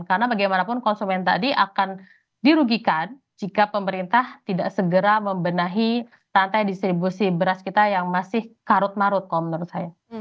karena bagaimanapun konsumen tadi akan dirugikan jika pemerintah tidak segera membenahi rantai distribusi beras kita yang masih karut marut kalau menurut saya